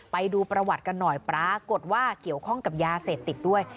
ไปดูประวัติกันหน่อยปรากฏว่าเกี่ยวข้องกับยาเสพติดด้วย